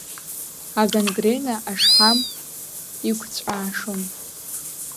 Агангрена ашҳам икәҵәаашон.